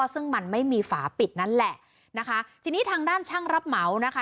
ซึ่งมันไม่มีฝาปิดนั้นแหละนะคะทีนี้ทางด้านช่างรับเหมานะคะ